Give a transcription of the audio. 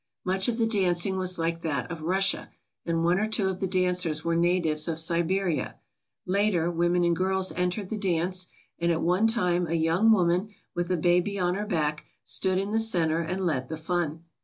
Much of the dancing was like that of Russia, and one or two of the dancers were natives of Siberia. Later women and girls entered the dance, and at one time a young woman, with a baby on her back, stood in the centre and led the fun.